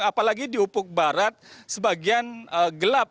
apalagi di upuk barat sebagian gelap